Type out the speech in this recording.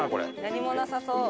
何もなさそう。